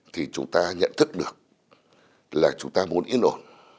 thì chúng ta nhận thức được là chúng ta muốn yên ổn